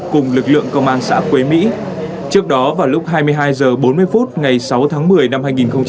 cùng lực lượng công an xã quế mỹ trước đó vào lúc hai mươi hai h bốn mươi phút ngày sáu tháng một mươi năm hai nghìn hai mươi ba